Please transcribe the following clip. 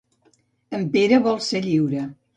En Pere vol ser lliure.